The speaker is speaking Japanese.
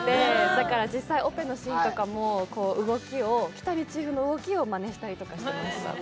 だから、実際オペのシーンとかも喜多見チーフの動きをまねしたりとかしてました。